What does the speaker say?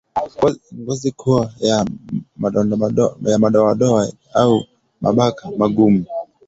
Ngozi kuwa na madoadoa au mabaka magumu